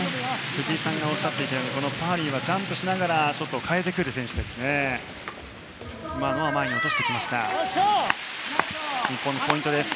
藤井さんがおっしゃるようにパーリーはジャンプしながらショットを変えてきます。